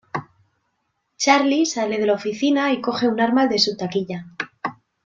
Charlie sale de la oficina y coge un arma de su taquilla.